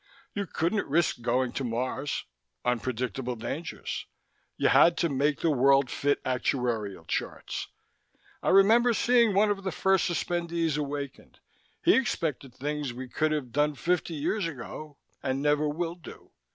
You couldn't risk going to Mars unpredictable dangers. You had to make the world fit actuarial charts. I remember seeing one of the first suspendees awakened. He expected things we could have done fifty years ago and never will do.